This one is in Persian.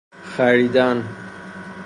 خریدن